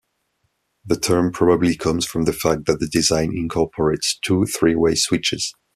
The term probably comes from the fact that the design incorporates two "three-way" switches.